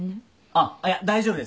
あっあっいや大丈夫です。